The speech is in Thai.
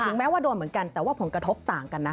แม้ว่าโดนเหมือนกันแต่ว่าผลกระทบต่างกันนะ